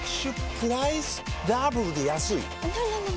プライスダブルで安いＮｏ！